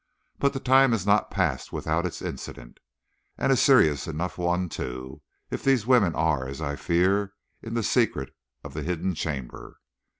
But the time has not passed without its incident, and a serious enough one, too, if these women are, as I fear, in the secret of the hidden chamber.